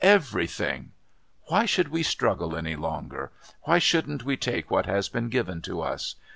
everything. Why should we struggle any longer? Why shouldn't we take what has been given to us?